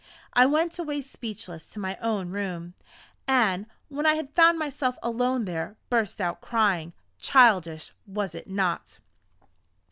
I went away speechless to my own room; and when I found myself alone there, burst out crying. Childish, was it not?